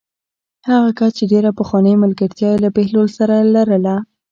هغه کس چې ډېره پخوانۍ ملګرتیا یې له بهلول سره لرله.